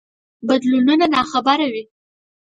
بدلونونو ناخبره وي.